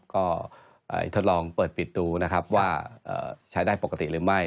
ก็ทดลองเปิดปิดดูนะครับว่าใช้ได้ปกติหรือไม่